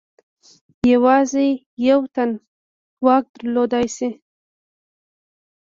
یوازې یو تن واک درلودلای شي.